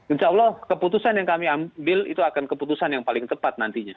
insya allah keputusan yang kami ambil itu akan keputusan yang paling tepat nantinya